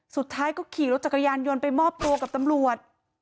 สุดท้ายก็ขี่รถจักรยานยนต์ไปมอบตัวกับตำรวจ